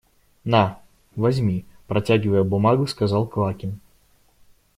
– На, возьми, – протягивая бумагу, сказал Квакин.